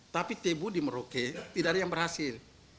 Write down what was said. tapi tebu di merauke tidak ada yang berhasil